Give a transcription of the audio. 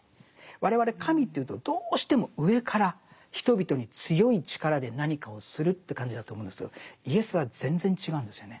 我々神というとどうしても上から人々に強い力で何かをするという感じだと思うんですけどイエスは全然違うんですよね。